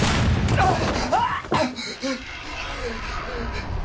あっ！